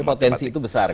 tapi potensi itu besar kan